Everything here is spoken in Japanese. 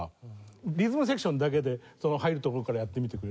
リズムセクションだけでその入るところからやってみてくれる？